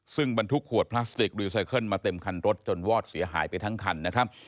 ซึ่งบรรทุกขวดพลาสติกรีไซเคิลมาเต็มคันรถจนวอดเสียหายไปทั้งคันนะครับ